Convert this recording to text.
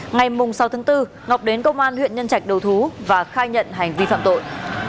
ngày sáu tháng bốn ngọc đến công an huyện nhân trạch đầu thú và khai nhận hành vi phạm tội